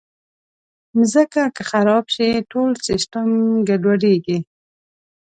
مځکه که خراب شي، ټول سیسټم ګډوډېږي.